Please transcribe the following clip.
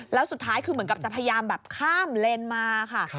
แล้วสุดท้ายคือเหมือนกับจะพยายามแบบข้ามเลนมาค่ะ